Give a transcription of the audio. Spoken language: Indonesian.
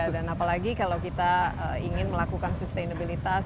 dan apalagi kalau kita ingin melakukan sustainability